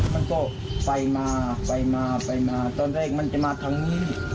มันก็ไปมาไปมาไปมาตอนแรกมันจะมาทางนี้